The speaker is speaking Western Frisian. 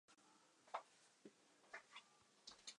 Dat kinst net meitsje!